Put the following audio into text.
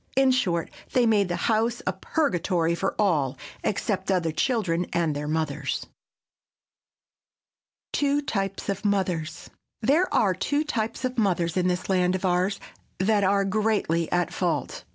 In short, they made the house a purgatory for all except other children and their mothers. [Sidenote: TWO TYPES OF MOTHERS] There are two types of mothers in this land of ours that are greatly at fault.